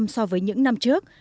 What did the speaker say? sáu mươi so với những năm trước